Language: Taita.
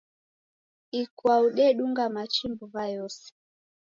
Ikwau dendunga machi mbuw'a yose.